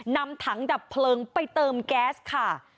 นำถังดับเพลิงไปเติมแก๊สค่ะ